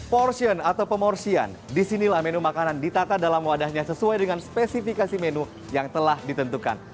portion atau pemorsian disinilah menu makanan ditata dalam wadahnya sesuai dengan spesifikasi menu yang telah ditentukan